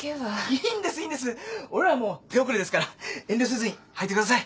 いいんですいいんです俺らはもう手遅れですから遠慮せずに履いてください。